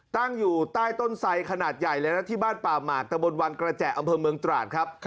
ตั้งอยู่ใต้ต้นไสขนาดใหญ่เลยนะที่บ้านป่าหมากตะบนวังกระแจอำเภอเมืองตราดครับ